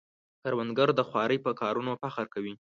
کروندګر د خوارۍ په کارونو فخر کوي